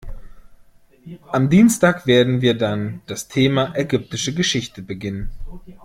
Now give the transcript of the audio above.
Am Dienstag werden wir dann das Thema ägyptische Geschichte beginnen.